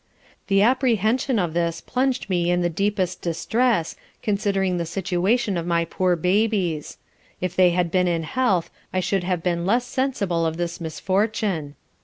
The apprehension of this plunged me in the deepest distress, considering the situation of my poor babies: if they had been in health I should have been less sensible of this misfortune.